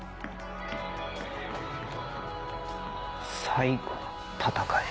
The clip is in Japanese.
最後の戦い。